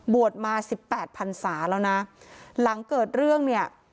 บวชมาสิบแปดพันศาแล้วนะหลังเกิดเรื่องเนี่ย